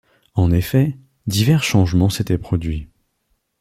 En effet, divers changements s’étaient produits.